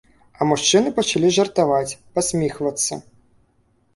А мужчыны пачалі жартаваць, пасміхвацца.